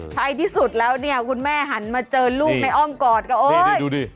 ท้ายที่สุดแล้วเนี่ยคุณแม่หันมาเจอลูกในอ้อมกอดค่ะโอ้ยดูดิ